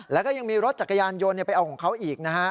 แล้วก็ยังมีรถจักรยานยนต์ไปเอาของเขาอีกนะฮะ